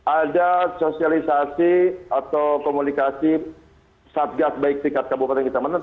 ada sosialisasi atau komunikasi satgas baik tiket kabupaten kecamanan